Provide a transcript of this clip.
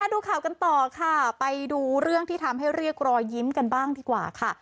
ดูข่าวกันต่อค่ะไปดูเรื่องที่ทำให้เรียกรอยยิ้มกันบ้างดีกว่าค่ะ